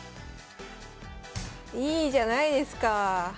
いいじゃないですか。